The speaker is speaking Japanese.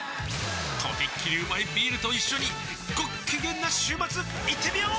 とびっきりうまいビールと一緒にごっきげんな週末いってみよー！